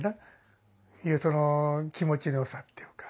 その気持ちのよさっていうか。